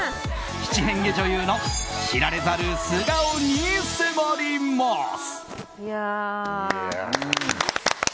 七変化女優の知られざる素顔に迫ります。